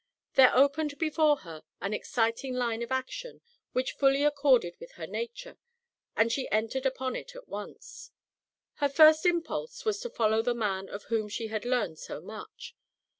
There opened before her an exciting line of action which fully accorded with her nature, and she entered upon it at once. Her first impulse was to follow the man of whom she had learned so much.